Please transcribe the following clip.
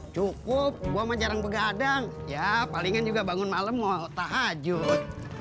cukup gue mah jarang begadang ya palingan juga bangun malam mau tahajud